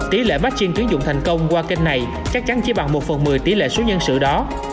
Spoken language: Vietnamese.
tỷ lệ markin tuyến dụng thành công qua kênh này chắc chắn chỉ bằng một phần một mươi tỷ lệ số nhân sự đó